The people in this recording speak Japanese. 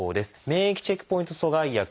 免疫チェックポイント阻害薬